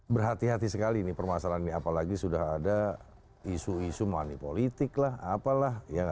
berhati hati sekali nih permasalahan ini apalagi sudah ada isu isu manipolitik lah apalah